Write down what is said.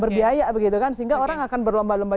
berbiaya begitu kan sehingga orang akan berlemba lemba